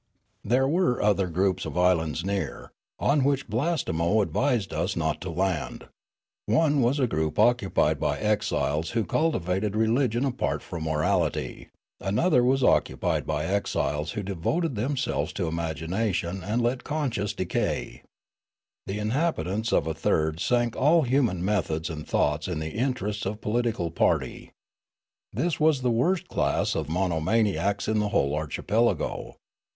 " There were other groups of islands near, on which Blastemo advised us not to land ; one was a group oc cupied by exiles who cultivated religion apart from morality ; another was occupied by exiles who devoted themselves to imagination and let conscience decay ; the inhabitants of a third sank all human methods and thoughts in the interests of political party. This was the worst class of monomaniacs in the whole archipelago.